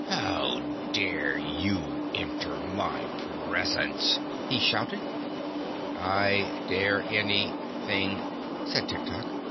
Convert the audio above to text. "How dare you enter my presence?" he shouted. "I dare an y thing," said Tiktok.